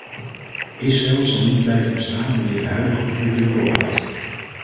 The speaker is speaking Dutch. Israël zal niet blijven bestaan wanneer de huidige ontwikkeling doorgaat.